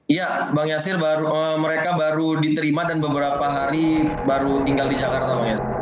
iya bang yasil mereka baru diterima dan beberapa hari baru tinggal di jakarta bang ya